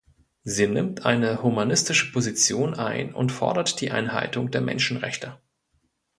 Sie nimmt eine humanistische Position ein und fordert die Einhaltung der Menschenrechte.